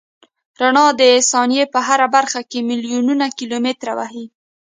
رڼا د ثانیې په هره برخه کې میلیونونه کیلومتره وهي.